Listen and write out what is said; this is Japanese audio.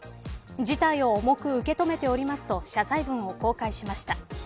事態を重く受け止めておりますと謝罪文を公開しました。